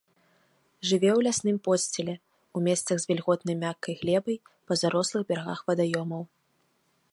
Жыве ў лясным подсціле ў месцах з вільготнай мяккай глебай, па зарослых берагах вадаёмаў.